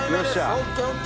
ＯＫＯＫ